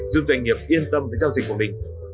giúp doanh nghiệp yên tâm với giao dịch của mình